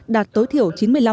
đạt tối thiểu chín mươi năm